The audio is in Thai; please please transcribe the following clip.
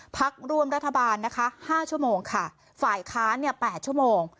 พักร่วมรัฐบาลนะคะห้าชั่วโมงค่ะฝ่ายค้านเนี่ย๘ชั่วโมง